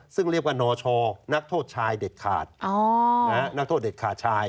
ซึ่งเรียกว่านชนักโทษชายเด็ดขาดนักโทษเด็ดขาดชาย